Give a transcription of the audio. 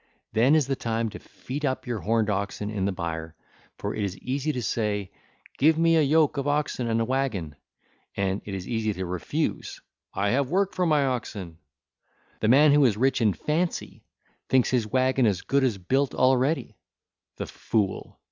Then is the time to feed up your horned oxen in the byre; for it is easy to say: 'Give me a yoke of oxen and a waggon,' and it is easy to refuse: 'I have work for my oxen.' The man who is rich in fancy thinks his waggon as good as built already—the fool!